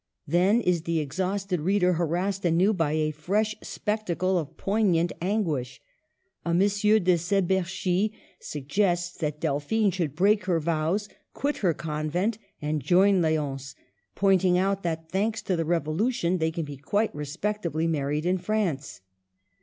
Then is the exhausted reader harassed anew by*a fresh spectacle of poignant anguish. A Monsieur de Sebersci suggests that Delphine should break her vows, quit her con vent, and join L6once, pointing out that, thanks to the Revolution, they can be quite respectably married in France.